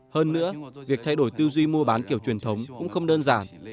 hơn nữa việc thay đổi tư duy mua bán kiểu truyền thống cũng không đơn giản